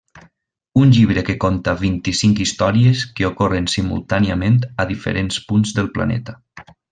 Un llibre que conta vint-i-cinc històries que ocorren simultàniament a diferents punts del planeta.